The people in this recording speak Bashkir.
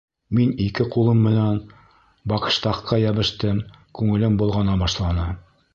Мин ике ҡулым менән бакштагҡа йәбештем, күңелем болғана башланы.